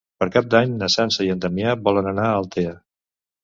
Per Cap d'Any na Sança i en Damià volen anar a Altea.